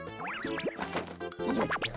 よっと。